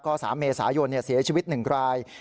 ก็๓เมษายนเสียชีวิต๑ราย